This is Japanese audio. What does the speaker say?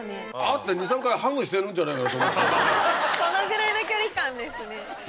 そのぐらいの距離感ですね。